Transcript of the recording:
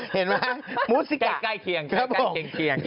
เห็นไหมครับมูซิก่าครับครับผมใกล้เคียง